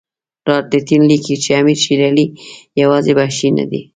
لارډ لیټن لیکي چې امیر شېر علي یوازې وحشي نه دی.